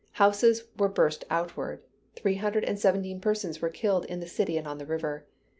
Houses were burst outward; three hundred and seventeen persons were killed in the city and on the river.